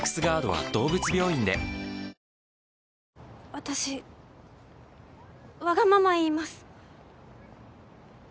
私わがまま言います。